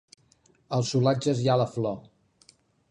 Als solatges hi ha la flor.